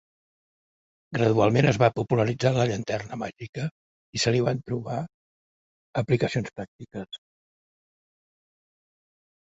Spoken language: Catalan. Gradualment, es va popularitzant la llanterna màgica, i se li van trobant aplicacions pràctiques.